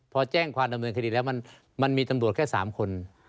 พอแจ้งความดำเนินคดีแล้วมันมีตำรวจแค่๓คน